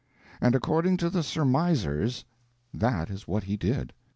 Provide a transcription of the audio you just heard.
And according to the surmisers, that is what he did.